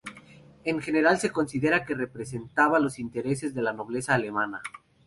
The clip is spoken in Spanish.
En general se considera que representaba los intereses de la nobleza alemana.